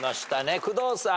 工藤さん。